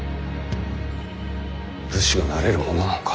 武士がなれるものなのか？